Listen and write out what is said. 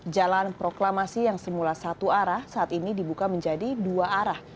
jalan proklamasi yang semula satu arah saat ini dibuka menjadi dua arah